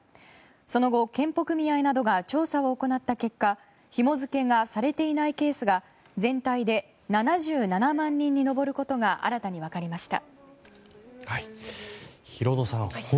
その後、健保組合などが調査を行った結果ひも付けがされていないケースが全体で７７万人に上ることが新たに分かりました。